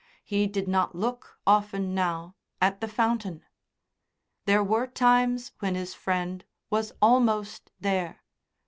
He did not look often now at the fountain. There were times when his friend was almost there.